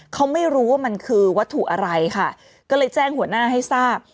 เขาไม่รู้ว่ามันคือวัตถุอะไรค่ะก็เลยแจ้งหัวหน้าให้ทราบ